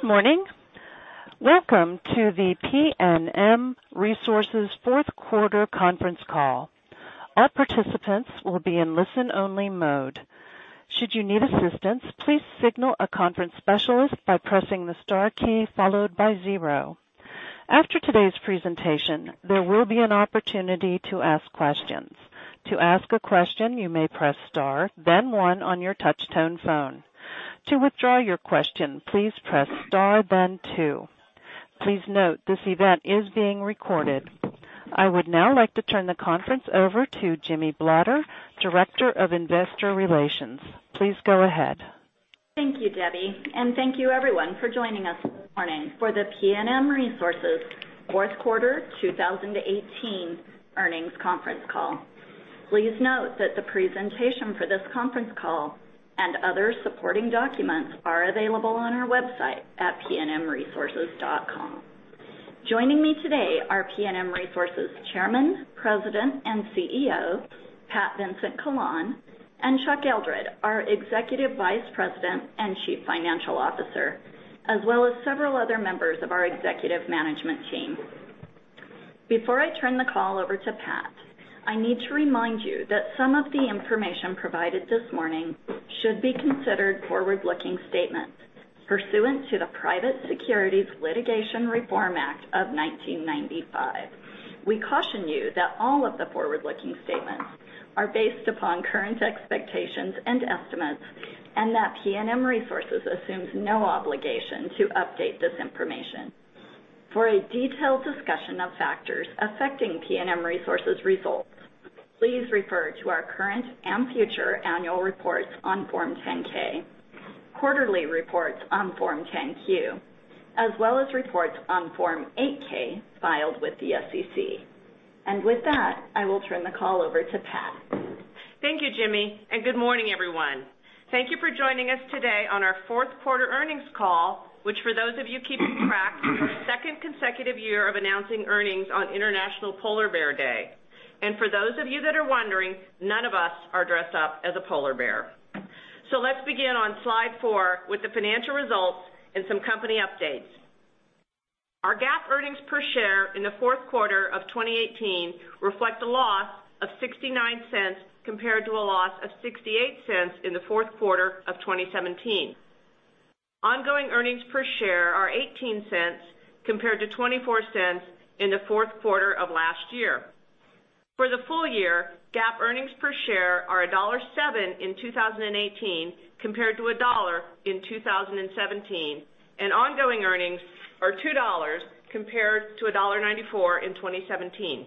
Good morning. Welcome to the PNM Resources fourth quarter conference call. All participants will be in listen-only mode. Should you need assistance, please signal a conference specialist by pressing the star key followed by zero. After today's presentation, there will be an opportunity to ask questions. To ask a question, you may press star, then one on your touch-tone phone. To withdraw your question, please press star, then two. Please note, this event is being recorded. I would now like to turn the conference over to Jamey Blodgett, Director of Investor Relations. Please go ahead. Thank you, Debbie, and thank you everyone for joining us this morning for the PNM Resources fourth quarter 2018 earnings conference call. Please note that the presentation for this conference call and other supporting documents are available on our website at pnmresources.com. Joining me today are PNM Resources Chairman, President, and CEO, Pat Vincent-Collawn, and Chuck Eldred, our Executive Vice President and Chief Financial Officer, as well as several other members of our executive management team. Before I turn the call over to Pat, I need to remind you that some of the information provided this morning should be considered forward-looking statements pursuant to the Private Securities Litigation Reform Act of 1995. We caution you that all of the forward-looking statements are based upon current expectations and estimates, and that PNM Resources assumes no obligation to update this information. For a detailed discussion of factors affecting PNM Resources results, please refer to our current and future annual reports on Form 10-K, quarterly reports on Form 10-Q, as well as reports on Form 8-K filed with the SEC. With that, I will turn the call over to Pat. Thank you, Jamey, and good morning, everyone. Thank you for joining us today on our fourth quarter earnings call, which for those of you keeping track, is our second consecutive year of announcing earnings on International Polar Bear Day. For those of you that are wondering, none of us are dressed up as a polar bear. Let's begin on slide four with the financial results and some company updates. Our GAAP earnings per share in the fourth quarter of 2018 reflect a loss of $0.69 compared to a loss of $0.68 in the fourth quarter of 2017. Ongoing earnings per share are $0.18 compared to $0.24 in the fourth quarter of last year. For the full year, GAAP earnings per share are $1.07 in 2018 compared to $1 in 2017, and ongoing earnings are $2 compared to $1.94 in 2017.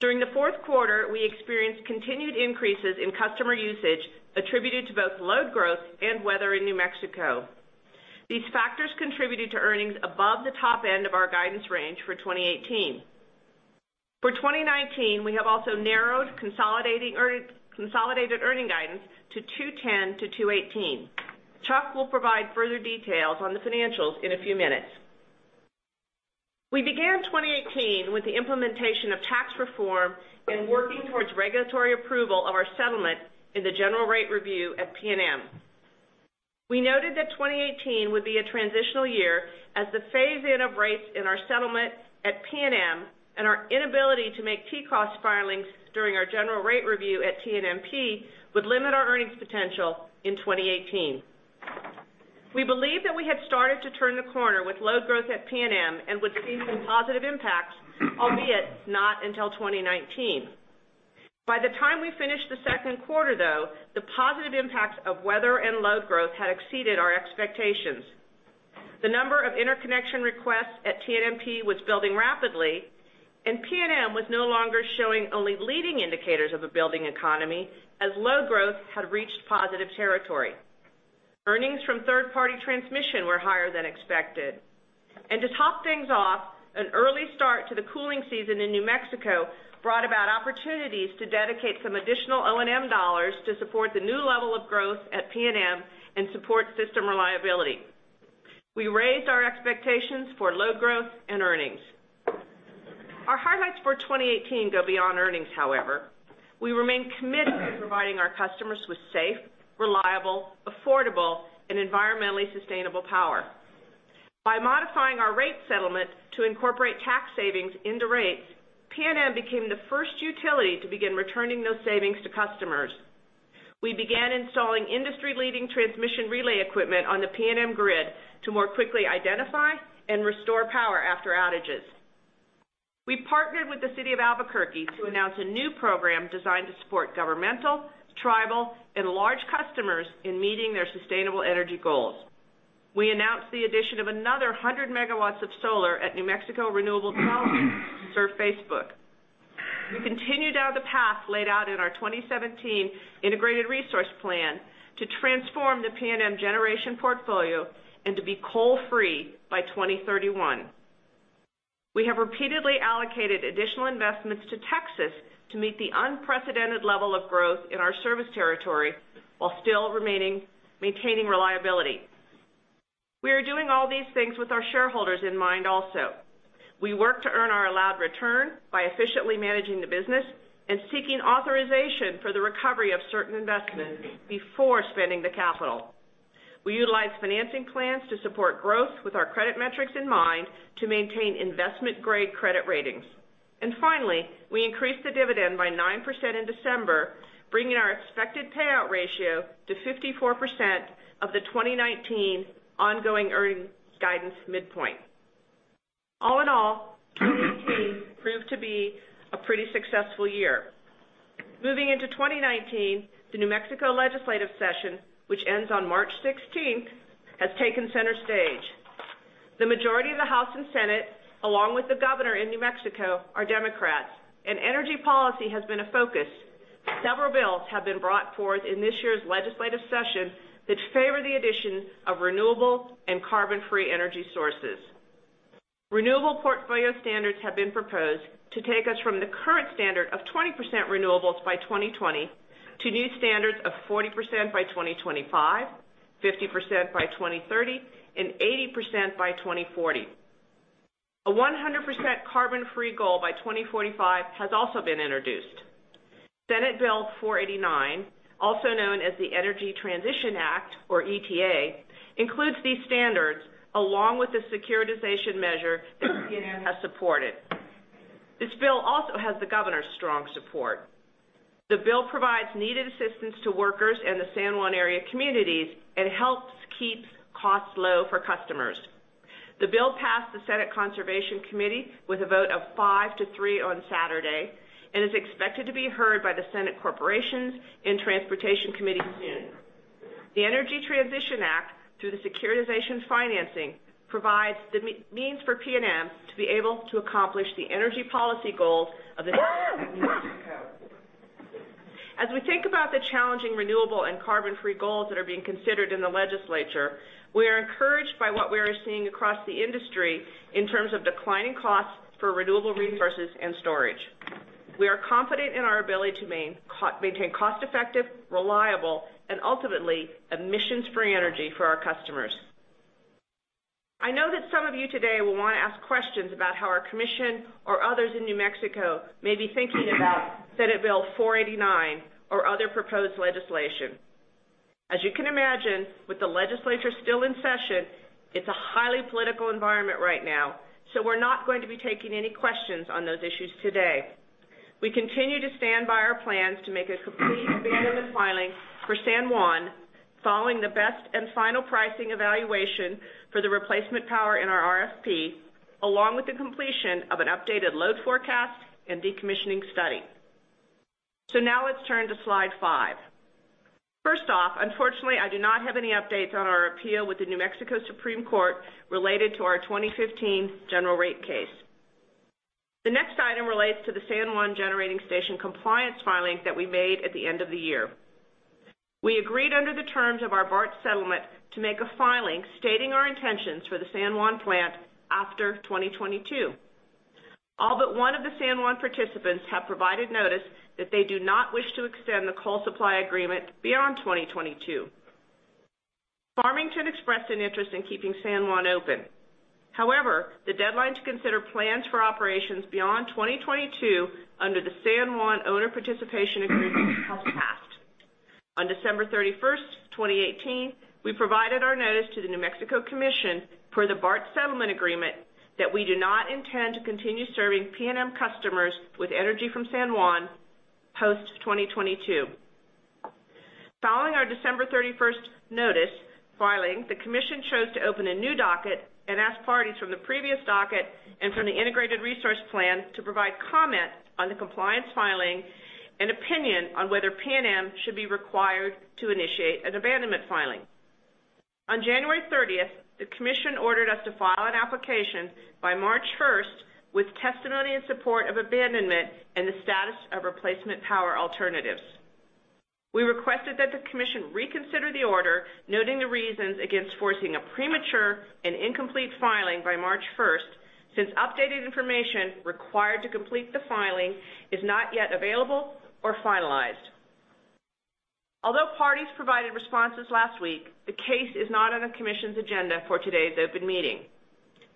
During the fourth quarter, we experienced continued increases in customer usage attributed to both load growth and weather in New Mexico. These factors contributed to earnings above the top end of our guidance range for 2018. For 2019, we have also narrowed consolidated earning guidance to $2.10-$2.18. Chuck will provide further details on the financials in a few minutes. We began 2018 with the implementation of tax reform and working towards regulatory approval of our settlement in the general rate review at PNM. We noted that 2018 would be a transitional year as the phase-in of rates in our settlement at PNM and our inability to make TCOS filings during our general rate review at TNMP would limit our earnings potential in 2018. We believe that we had started to turn the corner with load growth at PNM and would see some positive impacts, albeit not until 2019. By the time we finished the second quarter, though, the positive impacts of weather and load growth had exceeded our expectations. The number of interconnection requests at TNMP was building rapidly, and PNM was no longer showing only leading indicators of a building economy, as load growth had reached positive territory. Earnings from third-party transmission were higher than expected. To top things off, an early start to the cooling season in New Mexico brought about opportunities to dedicate some additional O&M dollars to support the new level of growth at PNM and support system reliability. We raised our expectations for load growth and earnings. Our highlights for 2018 go beyond earnings, however. We remain committed to providing our customers with safe, reliable, affordable, and environmentally sustainable power. By modifying our rate settlement to incorporate tax savings into rates, PNM became the first utility to begin returning those savings to customers. We began installing industry-leading transmission relay equipment on the PNM grid to more quickly identify and restore power after outages. We partnered with the city of Albuquerque to announce a new program designed to support governmental, tribal, and large customers in meeting their sustainable energy goals. We announced the addition of another 100 MW of solar at New Mexico Renewable Development to serve Facebook. We continued down the path laid out in our 2017 integrated resource plan to transform the PNM generation portfolio and to be coal-free by 2031. We have repeatedly allocated additional investments to Texas to meet the unprecedented level of growth in our service territory while still maintaining reliability. We are doing all these things with our shareholders in mind also. We work to earn our allowed return by efficiently managing the business and seeking authorization for the recovery of certain investments before spending the capital. Finally, we increased the dividend by 9% in December, bringing our expected payout ratio to 54% of the 2019 ongoing earnings guidance midpoint. All in all, 2018 proved to be a pretty successful year. Moving into 2019, the New Mexico legislative session, which ends on March 16th, has taken center stage. The majority of the House and Senate, along with the governor in New Mexico, are Democrats, and energy policy has been a focus. Several bills have been brought forth in this year's legislative session that favor the addition of renewable and carbon-free energy sources. Renewable portfolio standards have been proposed to take us from the current standard of 20% renewables by 2020 to new standards of 40% by 2025, 50% by 2030, and 80% by 2040. A 100% carbon-free goal by 2045 has also been introduced. Senate Bill 489, also known as the Energy Transition Act, or ETA, includes these standards along with the securitization measure that PNM has supported. This bill also has the governor's strong support. The bill provides needed assistance to workers in the San Juan area communities and helps keep costs low for customers. The bill passed the Senate Conservation Committee with a vote of five to three on Saturday, and is expected to be heard by the Senate Corporations and Transportation Committee soon. The Energy Transition Act, through the securitization financing, provides the means for PNM to be able to accomplish the energy policy goals of the state of New Mexico. As we think about the challenging renewable and carbon-free goals that are being considered in the legislature, we are encouraged by what we are seeing across the industry in terms of declining costs for renewable resources and storage. We are confident in our ability to maintain cost-effective, reliable, and ultimately emissions-free energy for our customers. I know that some of you today will want to ask questions about how our commission or others in New Mexico may be thinking about Senate Bill 489 or other proposed legislation. As you can imagine, with the legislature still in session, it's a highly political environment right now, we're not going to be taking any questions on those issues today. We continue to stand by our plans to make a complete abandonment filing for San Juan following the best and final pricing evaluation for the replacement power in our RFP, along with the completion of an updated load forecast and decommissioning study. Now let's turn to slide five. First off, unfortunately, I do not have any updates on our appeal with the New Mexico Supreme Court related to our 2015 general rate case. The next item relates to the San Juan Generating Station compliance filing that we made at the end of the year. We agreed under the terms of our BART settlement to make a filing stating our intentions for the San Juan plant after 2022. All but one of the San Juan participants have provided notice that they do not wish to extend the coal supply agreement beyond 2022. Farmington expressed an interest in keeping San Juan open. However, the deadline to consider plans for operations beyond 2022 under the San Juan Owner Participation Agreement has passed. On December 31st, 2018, we provided our notice to the New Mexico Commission per the BART settlement agreement that we do not intend to continue serving PNM customers with energy from San Juan post 2022. Following our December 31st notice filing, the commission chose to open a new docket and ask parties from the previous docket and from the integrated resource plan to provide comment on the compliance filing and opinion on whether PNM should be required to initiate an abandonment filing. On January 30th, the commission ordered us to file an application by March 1st with testimony in support of abandonment and the status of replacement power alternatives. We requested that the commission reconsider the order, noting the reasons against forcing a premature and incomplete filing by March 1st, since updated information required to complete the filing is not yet available or finalized. Although parties provided responses last week, the case is not on the commission's agenda for today's open meeting.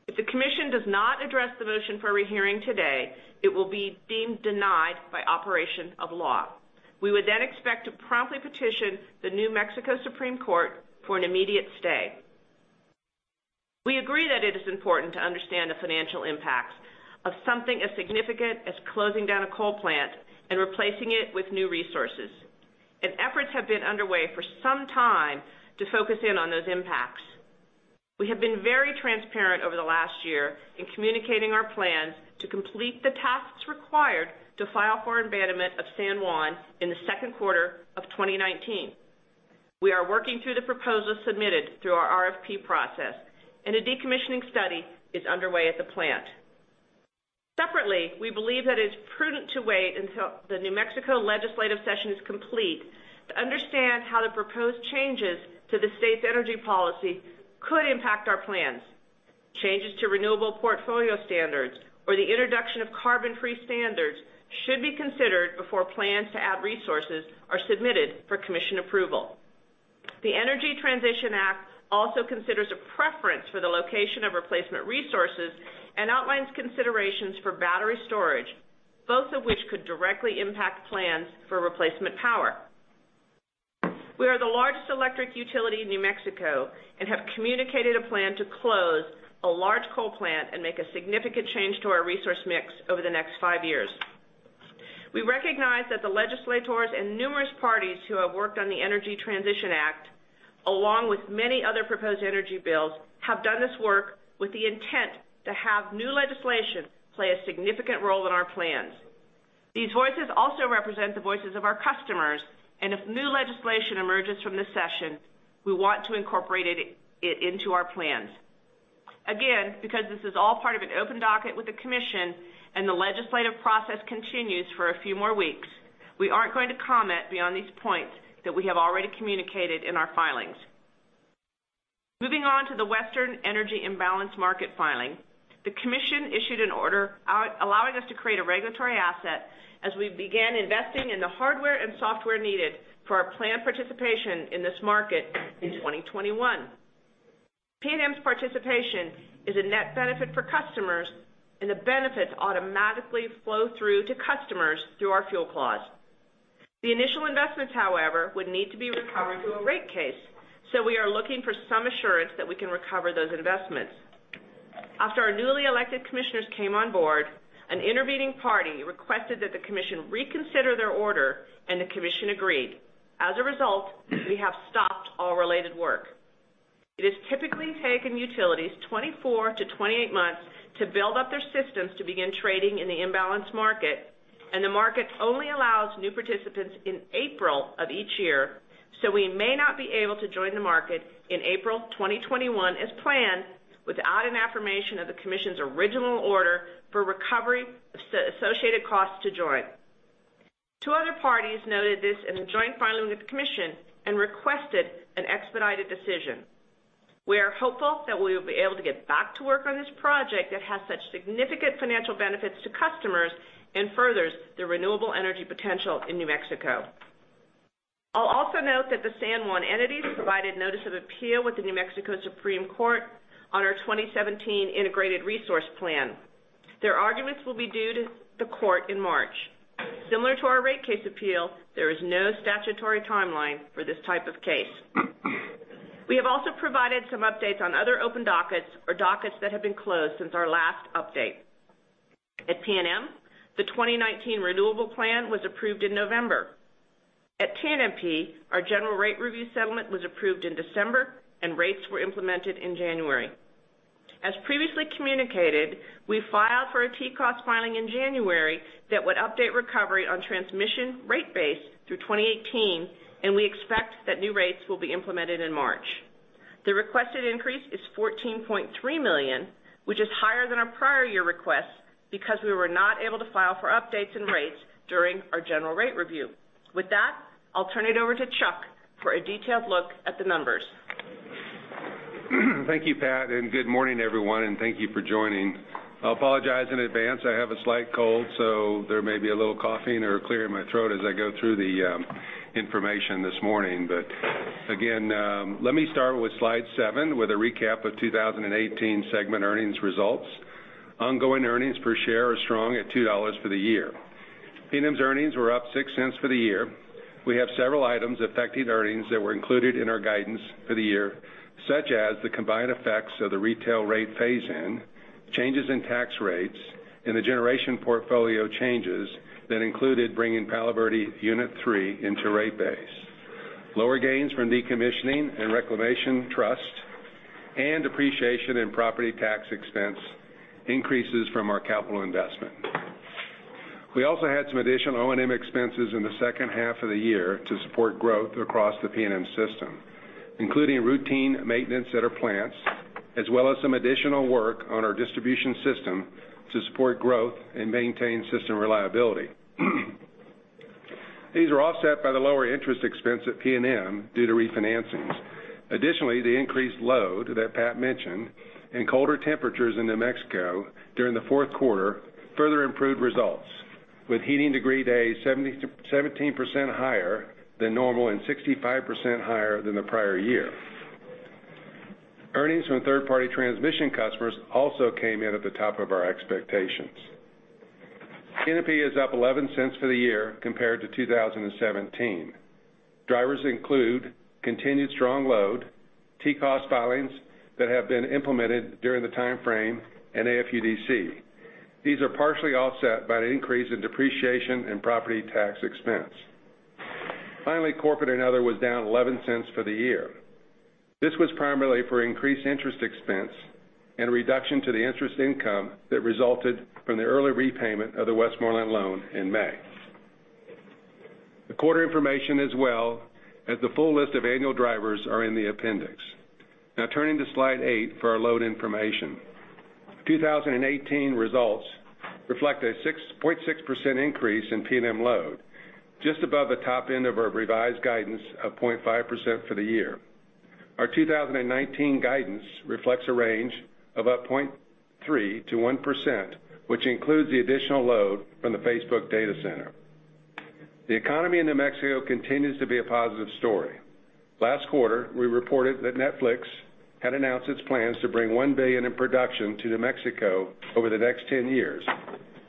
If the commission does not address the motion for rehearing today, it will be deemed denied by operation of law. We would then expect to promptly petition the New Mexico Supreme Court for an immediate stay. We agree that it is important to understand the financial impacts of something as significant as closing down a coal plant and replacing it with new resources, and efforts have been underway for some time to focus in on those impacts. We have been very transparent over the last year in communicating our plans to complete the tasks required to file for abandonment of San Juan in the second quarter of 2019. We are working through the proposals submitted through our RFP process, and a decommissioning study is underway at the plant. Separately, we believe that it is prudent to wait until the New Mexico legislative session is complete to understand how the proposed changes to the state's energy policy could impact our plans. Changes to renewable portfolio standards or the introduction of carbon-free standards should be considered before plans to add resources are submitted for commission approval. The Energy Transition Act also considers a preference for the location of replacement resources and outlines considerations for battery storage, both of which could directly impact plans for replacement power. We are the largest electric utility in New Mexico and have communicated a plan to close a large coal plant and make a significant change to our resource mix over the next five years. We recognize that the legislators and numerous parties who have worked on the Energy Transition Act, along with many other proposed energy bills, have done this work with the intent to have new legislation play a significant role in our plans. These voices also represent the voices of our customers, and if new legislation emerges from this session, we want to incorporate it into our plans. Again, because this is all part of an open docket with the commission and the legislative process continues for a few more weeks, we aren't going to comment beyond these points that we have already communicated in our filings. Moving on to the Western Energy Imbalance Market filing. The commission issued an order allowing us to create a regulatory asset as we began investing in the hardware and software needed for our planned participation in this market in 2021. PNM's participation is a net benefit for customers, and the benefits automatically flow through to customers through our fuel clause. The initial investments, however, would need to be recovered through a rate case, so we are looking for some assurance that we can recover those investments. After our newly elected commissioners came on board, an intervening party requested that the commission reconsider their order, and the commission agreed. As a result, we have stopped all related work. It has typically taken utilities 24-28 months to build up their systems to begin trading in the imbalance market, and the market only allows new participants in April of each year, so we may not be able to join the market in April 2021 as planned without an affirmation of the Commission's original order for recovery of associated costs to join. Two other parties noted this in a joint filing with the Commission and requested an expedited decision. We are hopeful that we will be able to get back to work on this project that has such significant financial benefits to customers and furthers the renewable energy potential in New Mexico. I'll also note that the San Juan entities provided notice of appeal with the New Mexico Supreme Court on our 2017 integrated resource plan. Their arguments will be due to the court in March. Similar to our rate case appeal, there is no statutory timeline for this type of case. We have also provided some updates on other open dockets or dockets that have been closed since our last update. At PNM, the 2019 renewable plan was approved in November. At TNMP, our general rate review settlement was approved in December, and rates were implemented in January. As previously communicated, we filed for a TCOS filing in January that would update recovery on transmission rate base through 2018, and we expect that new rates will be implemented in March. The requested increase is $14.3 million, which is higher than our prior year request because we were not able to file for updates and rates during our general rate review. With that, I'll turn it over to Chuck for a detailed look at the numbers. Thank you, Pat, and good morning, everyone, and thank you for joining. I'll apologize in advance. I have a slight cold, so there may be a little coughing or clearing my throat as I go through the information this morning. Again, let me start with slide seven with a recap of 2018 segment earnings results. Ongoing earnings per share are strong at $2 for the year. PNM's earnings were up $0.06 for the year. We have several items affecting earnings that were included in our guidance for the year, such as the combined effects of the retail rate phase-in, changes in tax rates, and the generation portfolio changes that included bringing Palo Verde Unit 3 into rate base, lower gains from decommissioning and reclamation trust, and depreciation in property tax expense increases from our capital investment. We also had some additional O&M expenses in the second half of the year to support growth across the PNM system, including routine maintenance at our plants, as well as some additional work on our distribution system to support growth and maintain system reliability. These were offset by the lower interest expense at PNM due to refinancings. Additionally, the increased load that Pat mentioned and colder temperatures in New Mexico during the fourth quarter further improved results with heating degree days 17% higher than normal and 65% higher than the prior year. Earnings from third-party transmission customers also came in at the top of our expectations. TNMP is up $0.11 for the year compared to 2017. Drivers include continued strong load, TCOS filings that have been implemented during the timeframe, and AFUDC. These are partially offset by an increase in depreciation and property tax expense. Corporate and other was down $0.11 for the year. This was primarily for increased interest expense and a reduction to the interest income that resulted from the early repayment of the Westmoreland loan in May. The quarter information as well as the full list of annual drivers are in the appendix. Turning to slide eight for our load information. 2018 results reflect a 6.6% increase in PNM load, just above the top end of our revised guidance of 0.5% for the year. Our 2019 guidance reflects a range of up 0.3%-1%, which includes the additional load from the Facebook data center. The economy in New Mexico continues to be a positive story. Last quarter, we reported that Netflix had announced its plans to bring $1 billion in production to New Mexico over the next 10 years,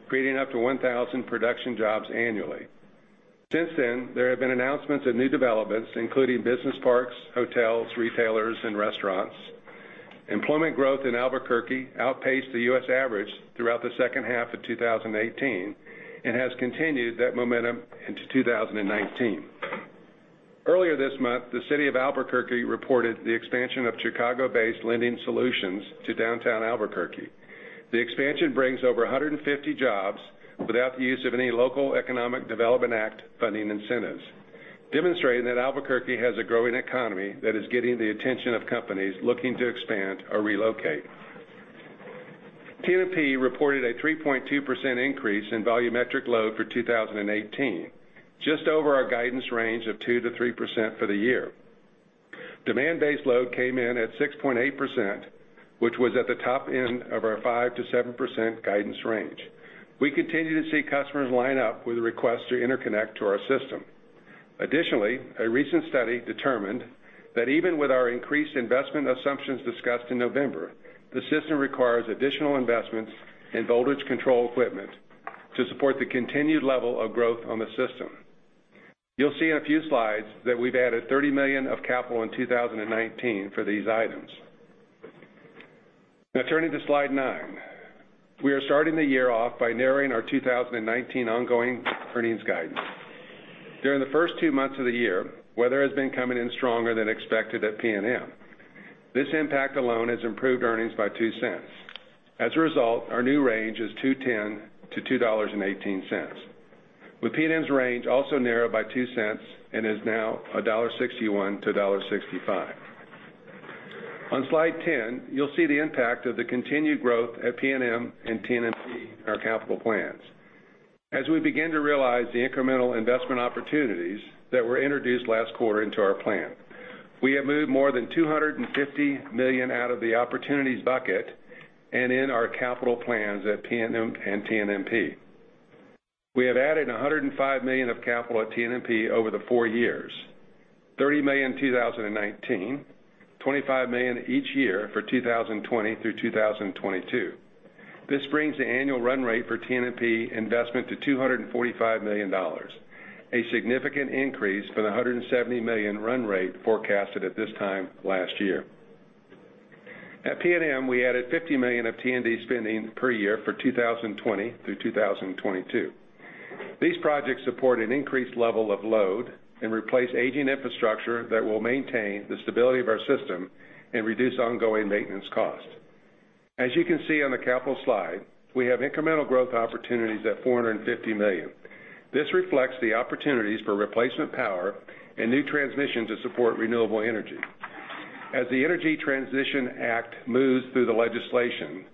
creating up to 1,000 production jobs annually. There have been announcements of new developments, including business parks, hotels, retailers, and restaurants. Employment growth in Albuquerque outpaced the U.S. average throughout the second half of 2018 and has continued that momentum into 2019. Earlier this month, the city of Albuquerque reported the expansion of Chicago-based Lending Solutions to downtown Albuquerque. The expansion brings over 150 jobs without the use of any local economic development act funding incentives, demonstrating that Albuquerque has a growing economy that is getting the attention of companies looking to expand or relocate. TNMP reported a 3.2% increase in volumetric load for 2018, just over our guidance range of 2%-3% for the year. Demand-based load came in at 6.8%, which was at the top end of our 5%-7% guidance range. We continue to see customers line up with a request to interconnect to our system. A recent study determined that even with our increased investment assumptions discussed in November, the system requires additional investments in voltage control equipment to support the continued level of growth on the system. You'll see in a few slides that we've added $30 million of capital in 2019 for these items. Turning to slide nine. We are starting the year off by narrowing our 2019 ongoing earnings guidance. During the first two months of the year, weather has been coming in stronger than expected at PNM. This impact alone has improved earnings by $0.02. As a result, our new range is $2.10 to $2.18, with PNM's range also narrowed by $0.02 and is now $1.61 to $1.65. On slide 10, you'll see the impact of the continued growth at PNM and TNMP in our capital plans. We begin to realize the incremental investment opportunities that were introduced last quarter into our plan, we have moved more than $250 million out of the opportunities bucket and in our capital plans at PNM and TNMP. We have added $105 million of capital at TNMP over the four years. $30 million in 2019, $25 million each year for 2020 through 2022. This brings the annual run rate for TNMP investment to $245 million, a significant increase from the $170 million run rate forecasted at this time last year. At PNM, we added $50 million of T&D spending per year for 2020 through 2022. These projects support an increased level of load and replace aging infrastructure that will maintain the stability of our system and reduce ongoing maintenance costs. As you can see on the capital slide, we have incremental growth opportunities at $450 million. This reflects the opportunities for replacement power and new transmission to support renewable energy. As the Energy Transition Act moves through the legislation,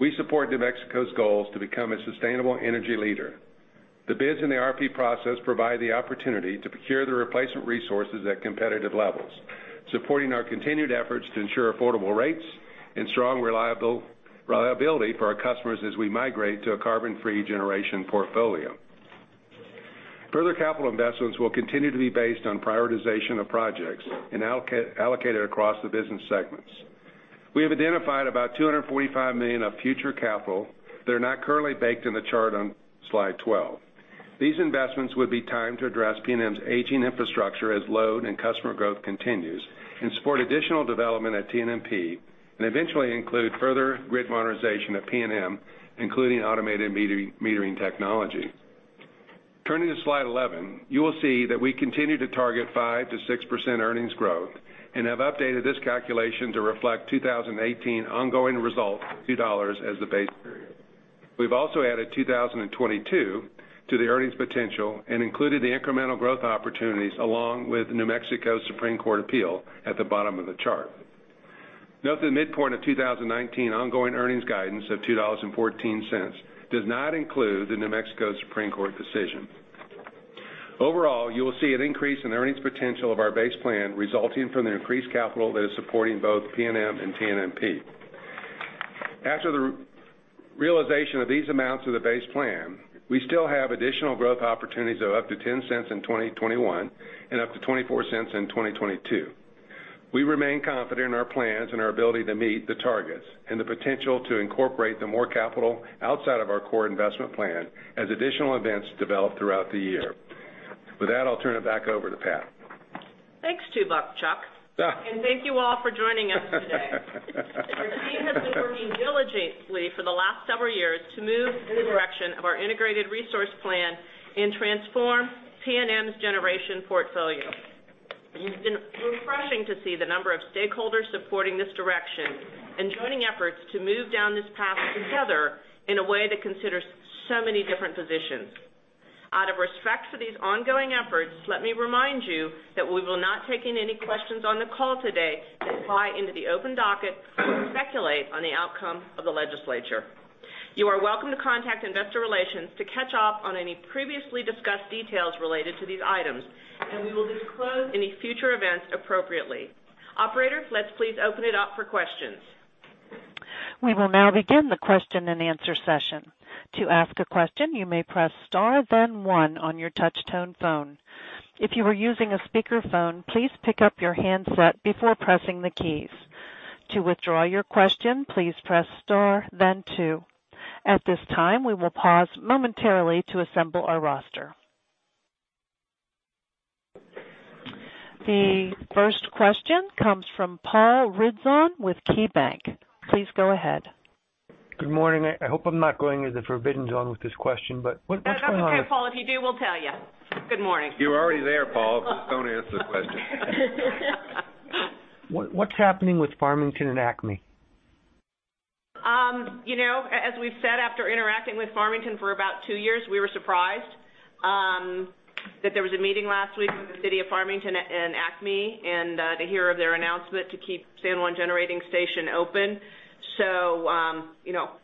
we support New Mexico's goals to become a sustainable energy leader. The bids in the RFP process provide the opportunity to procure the replacement resources at competitive levels, supporting our continued efforts to ensure affordable rates and strong reliability for our customers as we migrate to a carbon-free generation portfolio. Further capital investments will continue to be based on prioritization of projects and allocated across the business segments. We have identified about $245 million of future capital that are not currently baked in the chart on slide 12. These investments would be timed to address PNM's aging infrastructure as load and customer growth continues and support additional development at TNMP, and eventually include further grid modernization at PNM, including automated metering technology. Turning to slide 11, you will see that we continue to target 5%-6% earnings growth and have updated this calculation to reflect 2018 ongoing results, $2 as the base period. We've also added 2022 to the earnings potential and included the incremental growth opportunities along with New Mexico Supreme Court appeal at the bottom of the chart. Note the midpoint of 2019 ongoing earnings guidance of $2.14 does not include the New Mexico Supreme Court decision. Overall, you will see an increase in the earnings potential of our base plan resulting from the increased capital that is supporting both PNM and TNMP. After the realization of these amounts of the base plan, we still have additional growth opportunities of up to $0.10 in 2021 and up to $0.24 in 2022. We remain confident in our plans and our ability to meet the targets and the potential to incorporate the more capital outside of our core investment plan as additional events develop throughout the year. With that, I'll turn it back over to Pat. Thanks two buck Chuck. Thank you all for joining us today. Our team has been working diligently for the last several years to move in the direction of our integrated resource plan and transform PNM's generation portfolio. It's been refreshing to see the number of stakeholders supporting this direction and joining efforts to move down this path together in a way that considers so many different positions. Out of respect for these ongoing efforts, let me remind you that we will not take in any questions on the call today that imply into the open docket or speculate on the outcome of the legislature. You are welcome to contact investor relations to catch up on any previously discussed details related to these items, and we will disclose any future events appropriately. Operator, let's please open it up for questions. We will now begin the question and answer session. To ask a question, you may press star, then one on your touch-tone phone. If you are using a speakerphone, please pick up your handset before pressing the keys. To withdraw your question, please press star, then two. At this time, we will pause momentarily to assemble our roster. The first question comes from Paul Ridzon with KeyBank. Please go ahead. Good morning. I hope I'm not going into the forbidden zone with this question, what's going on? That's okay, Paul. If you do, we'll tell you. Good morning. You're already there, Paul. Just don't ask the question. What's happening with Farmington and Acme? As we've said, after interacting with Farmington for about two years, we were surprised that there was a meeting last week with the city of Farmington and Acme, and to hear of their announcement to keep San Juan Generating Station open.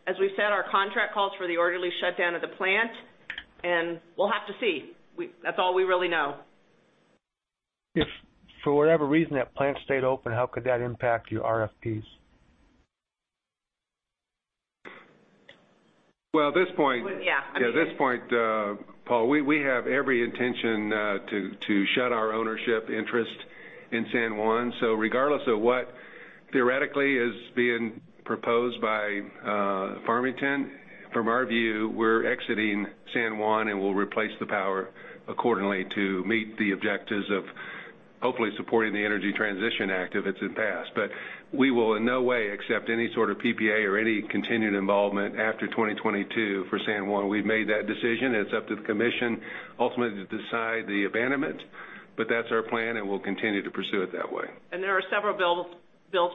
As we've said, our contract calls for the orderly shutdown of the plant, and we'll have to see. That's all we really know. If, for whatever reason, that plant stayed open, how could that impact your RFPs? Well, at this point. Yeah. At this point, Paul, we have every intention to shed our ownership interest in San Juan. Regardless of what theoretically is being proposed by Farmington, from our view, we're exiting San Juan, and we'll replace the power accordingly to meet the objectives of hopefully supporting the Energy Transition Act if it's in pass. We will in no way accept any sort of PPA or any continued involvement after 2022 for San Juan. We've made that decision. It's up to the commission ultimately to decide the abandonment, but that's our plan, and we'll continue to pursue it that way. There are several bills,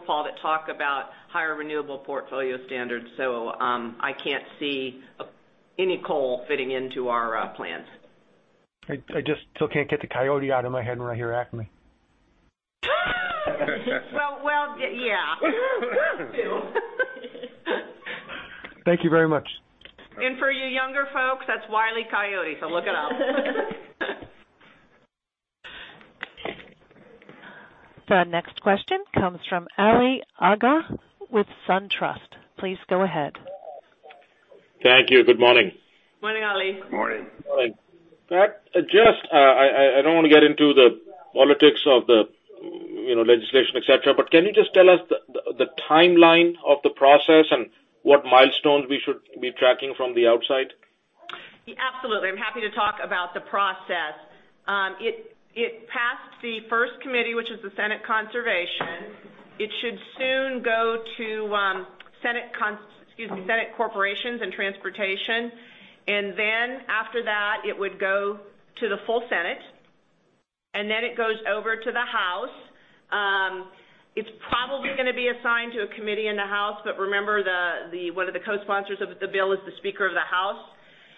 Paul, that talk about higher renewable portfolio standards, so I can't see any coal fitting into our plans. I just still can't get the coyote out of my head when I hear Acme. Well, yeah. Thank you very much. For you younger folks, that's Wile E. Coyote, so look it up. The next question comes from Ali Agha with SunTrust. Please go ahead. Thank you. Good morning. Morning, Ali. Good morning. Morning. Pat, I don't want to get into the politics of the legislation, et cetera, but can you just tell us the timeline of the process and what milestones we should be tracking from the outside? Absolutely. I'm happy to talk about the process. It passed the first committee, which is the Senate Conservation. It should soon go to Senate Corporations and Transportation. After that, it would go to the full Senate. Then it goes over to the House. It's probably going to be assigned to a committee in the House, but remember, one of the co-sponsors of the bill is the Speaker of the House.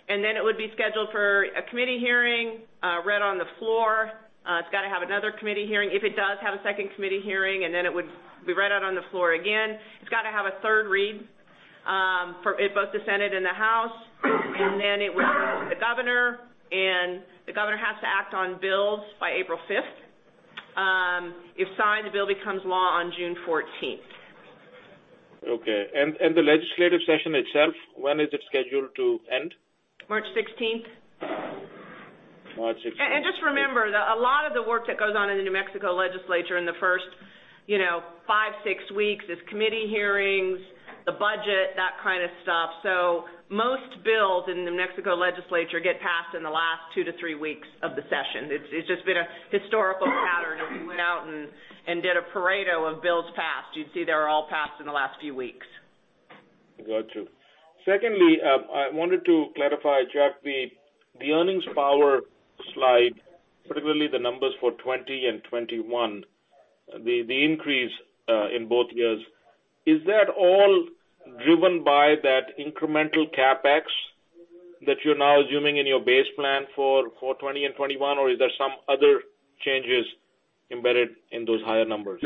It would be scheduled for a committee hearing, read on the floor. It's got to have another committee hearing. If it does have a second committee hearing, it would be read out on the floor again. It's got to have a third read in both the Senate and the House. Then it would go to the governor. The governor has to act on bills by April fifth. If signed, the bill becomes law on June 14th. Okay. The legislative session itself, when is it scheduled to end? March 16th. March 16th. Just remember that a lot of the work that goes on in the New Mexico Legislature in the first five, six weeks is committee hearings, the budget, that kind of stuff. Most bills in New Mexico Legislature get passed in the last two to three weeks of the session. It's just been a historical pattern. If you went out and did a Pareto of bills passed, you'd see they were all passed in the last few weeks. Got you. Secondly, I wanted to clarify, Chuck, the earnings power slide, particularly the numbers for 2020 and 2021, the increase in both years, is that all driven by that incremental CapEx that you're now assuming in your base plan for 2020 and 2021, or is there some other changes embedded in those higher numbers?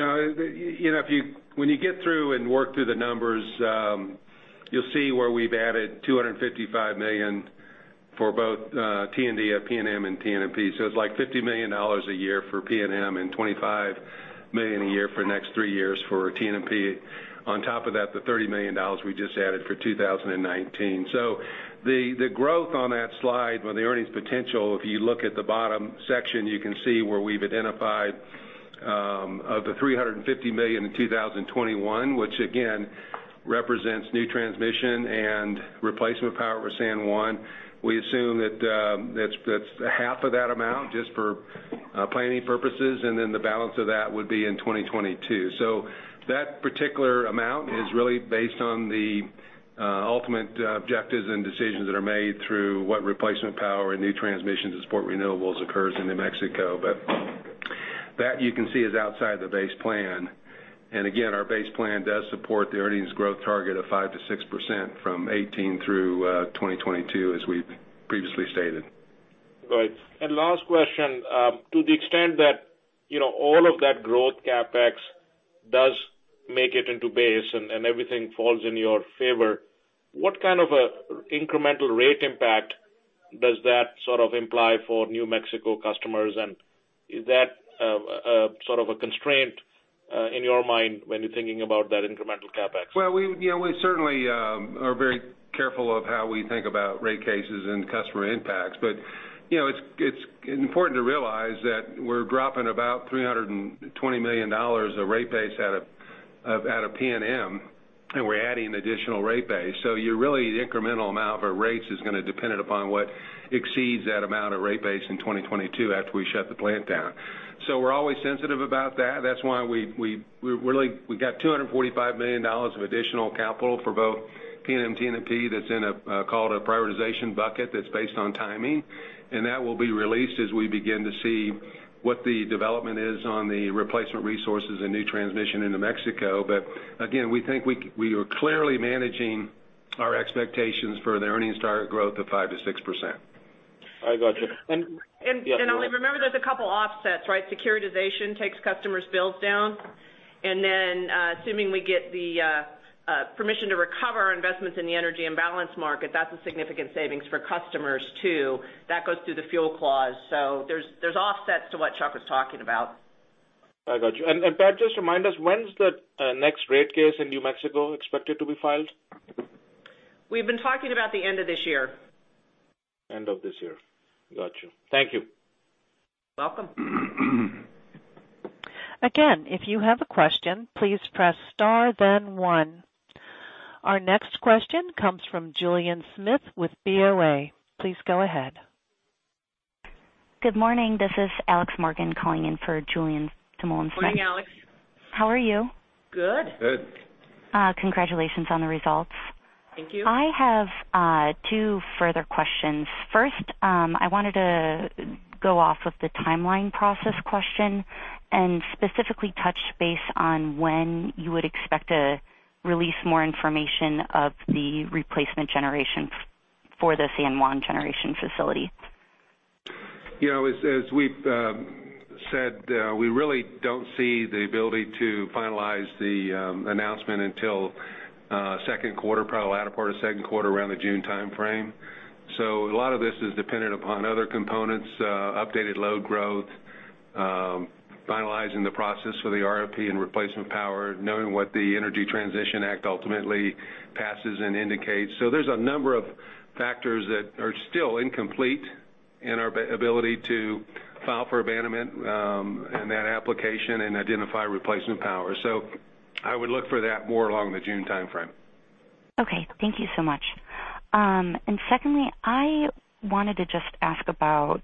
When you get through and work through the numbers, you'll see where we've added $255 million for both TNMP and PNM. It's like $50 million a year for PNM and $25 million a year for next three years for TNMP. On top of that, the $30 million we just added for 2019. The growth on that slide on the earnings potential, if you look at the bottom section, you can see where we've identified of the $350 million in 2021, which again, represents new transmission and replacement power for San Juan. We assume that that's half of that amount just for planning purposes, and then the balance of that would be in 2022. That particular amount is really based on the ultimate objectives and decisions that are made through what replacement power and new transmissions to support renewables occurs in New Mexico. That you can see is outside the base plan. Again, our base plan does support the earnings growth target of 5% to 6% from 2018 through 2022, as we've previously stated. Right. Last question. To the extent that all of that growth CapEx does make it into base and everything falls in your favor, what kind of incremental rate impact does that sort of imply for New Mexico customers? Is that sort of a constraint in your mind when you're thinking about that incremental CapEx? Well, we certainly are very careful of how we think about rate cases and customer impacts. It's important to realize that we're dropping about $320 million of rate base out of PNM, we're adding additional rate base. Your really incremental amount over rates is going to dependent upon what exceeds that amount of rate base in 2022 after we shut the plant down. We're always sensitive about that. That's why we got $245 million of additional capital for both PNM, TNMP, that's in a, called a prioritization bucket that's based on timing, that will be released as we begin to see what the development is on the replacement resources and new transmission into New Mexico. Again, we think we are clearly managing our expectations for the earnings target growth of 5% to 6%. I got you. Ali, remember there's a couple offsets, right? Securitization takes customers' bills down, then, assuming we get the permission to recover our investments in the Energy Imbalance Market, that's a significant savings for customers, too. That goes through the fuel clause. There's offsets to what Chuck was talking about. I got you. Pat, just remind us, when's the next rate case in New Mexico expected to be filed? We've been talking about the end of this year. End of this year. Got you. Thank you. Welcome. Again, if you have a question, please press star then one. Our next question comes from Julien Smith with BofA. Please go ahead. Good morning. This is Alex Morgan calling in for Julien Dumoulin-Smith. Morning, Alex. How are you? Good. Good. Congratulations on the results. Thank you. I have two further questions. First, I wanted to go off of the timeline process question and specifically touch base on when you would expect to release more information of the replacement generation for the San Juan Generating Station. As we've said, we really don't see the ability to finalize the announcement until second quarter, probably the latter part of second quarter, around the June timeframe. A lot of this is dependent upon other components, updated load growth, finalizing the process for the RFP and replacement power, knowing what the Energy Transition Act ultimately passes and indicates. There's a number of factors that are still incomplete in our ability to file for abandonment in that application and identify replacement power. I would look for that more along the June timeframe. Okay. Thank you so much. Secondly, I wanted to just ask about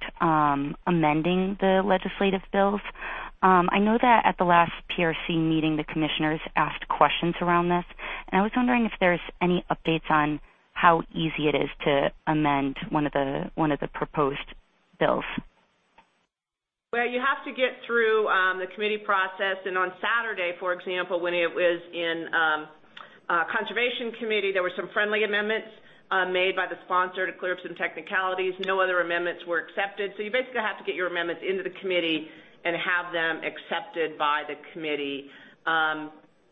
amending the legislative bills. I know that at the last PRC meeting, the commissioners asked questions around this, and I was wondering if there's any updates on how easy it is to amend one of the proposed bills. Well, you have to get through the committee process. On Saturday, for example, when it was in Conservation Committee, there were some friendly amendments made by the sponsor to clear up some technicalities. No other amendments were accepted. You basically have to get your amendments into the committee and have them accepted by the committee.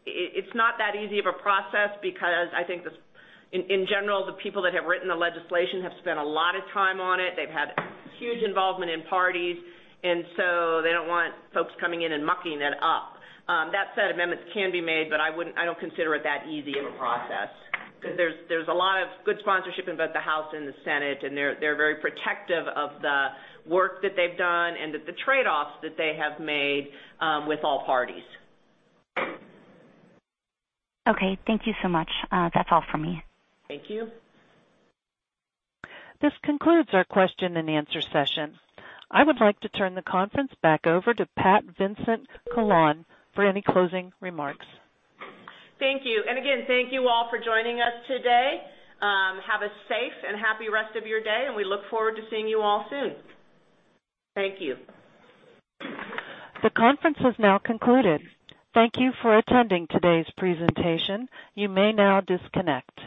It's not that easy of a process because I think in general, the people that have written the legislation have spent a lot of time on it. They've had huge involvement in parties, they don't want folks coming in and mucking it up. That said, amendments can be made, but I don't consider it that easy of a process because there's a lot of good sponsorship in both the House and the Senate, and they're very protective of the work that they've done and of the trade-offs that they have made with all parties. Okay. Thank you so much. That's all for me. Thank you. This concludes our question and answer session. I would like to turn the conference back over to Pat Vincent-Collawn for any closing remarks. Thank you. Again, thank you all for joining us today. Have a safe and happy rest of your day, and we look forward to seeing you all soon. Thank you. The conference has now concluded. Thank you for attending today's presentation. You may now disconnect.